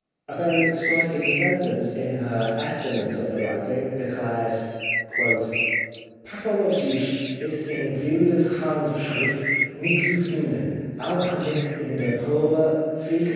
A very striking sentence in her estimate of the writing declares :—" Pathalogisches ist in Wildes Handschrift nicht zu finden, auch nicht in der Probe Fig.